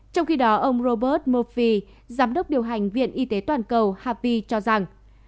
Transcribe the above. trong khi đó ông robert murphy giám đốc điều hành viện y tế toàn cầu harvey cho rằng